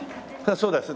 そうですね。